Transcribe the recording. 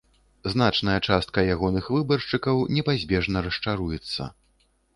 Значная частка ягоных выбаршчыкаў непазбежна расчаруецца.